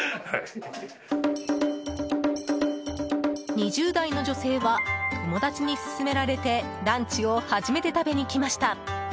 ２０代の女性は友達に勧められてランチを初めて食べに来ました。